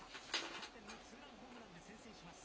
キャプテンのツーランホームランで先制します。